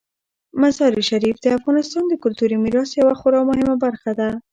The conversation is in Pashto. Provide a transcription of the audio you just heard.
مزارشریف د افغانستان د کلتوري میراث یوه خورا مهمه برخه ده.